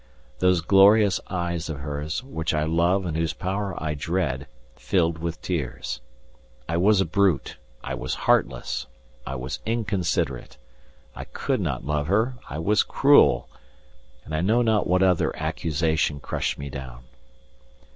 those glorious eyes of hers, which I love and whose power I dread, filled with tears. I was a brute! I was heartless! I was inconsiderate! I could not love her! I was cruel! And I know not what other accusation crushed me down.